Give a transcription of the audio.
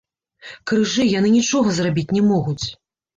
Крыжы, яны нічога зрабіць не могуць.